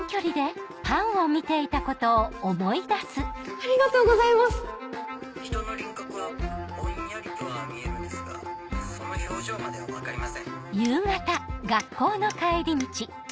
ありがとうございます人の輪郭はぼんやりとは見えるんですがその表情までは分かりません。